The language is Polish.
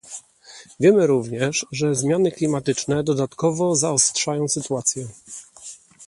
Wiemy również, że zmiany klimatyczne dodatkowo zaostrzają sytuację